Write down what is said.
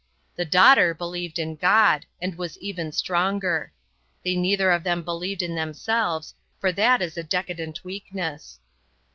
The daughter believed in God; and was even stronger. They neither of them believed in themselves; for that is a decadent weakness.